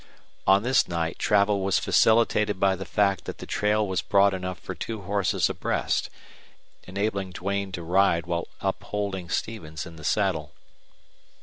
On this night travel was facilitated by the fact that the trail was broad enough for two horses abreast, enabling Duane to ride while upholding Stevens in the saddle.